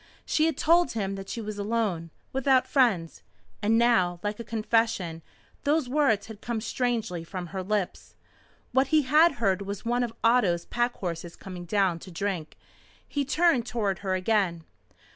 She had told him that she was alone without friends. And now, like a confession, those words had come strangely from her lips. What he had heard was one of Otto's pack horses coming down to drink. He turned toward her again.